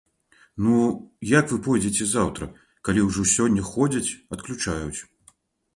Ну як вы пойдзеце заўтра, калі ўжо сёння ходзяць адключаюць.